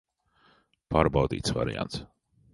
Pārbaudīts variants.